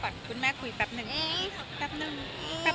ชอบใครอีกชอบนีโม่